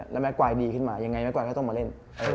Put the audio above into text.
แล้วแม่กวายดีขึ้นมายังไงแม่กวายก็ต้องมาเล่น